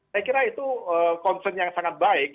saya kira itu concern yang sangat baik